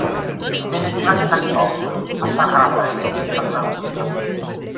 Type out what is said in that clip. Venne girato in California, a San Rafael e a Santa Rosita.